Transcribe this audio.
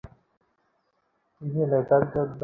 তিনি লেখার জন্য সময় খুঁজে বের করতেন।